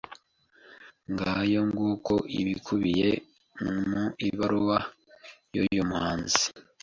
Ngayo ng'uko ibikubiye mu ibaruwa y’uyu muhanzi